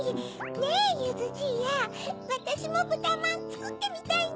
ねぇゆずじいやわたしもぶたまんつくってみたいな。